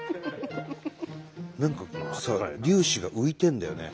何かこのさ粒子が浮いてるんだよね。